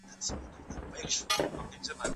کوي